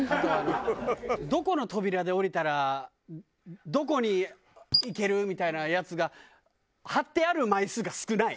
どこの扉で降りたらどこに行けるみたいなやつが貼ってある枚数が少ない。